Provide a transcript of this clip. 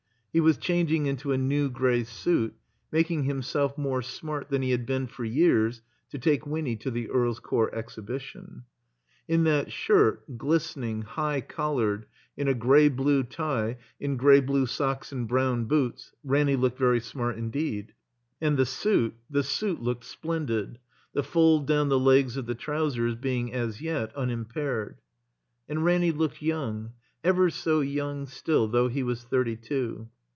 He was changing into a new gray suit, making himself more smart than he had been for years to take Winny to the EarFs Court Exhibition. In that shirt, gUstening, high coUared, in a gray blue tie, in gray blue socks and brown boots, Ranny looked very smart indeed. And the suit, the suit looked splendid, the fold down the legs of the trousers being as yet unimpaired. And Ranny looked young, ever so young still, though he was thirty two.